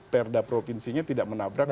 perda provinsinya tidak menabrak